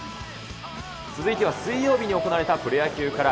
続いては水曜日に行われたプロ野球から。